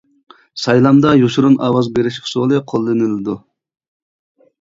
سايلامدا يوشۇرۇن ئاۋاز بېرىش ئۇسۇلى قوللىنىلىدۇ.